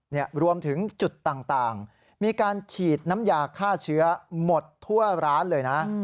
รวมถึงจุดต่างมีการฉีดน้ำยาฆ่าเชื้อหมดทั่วร้านเลยนะ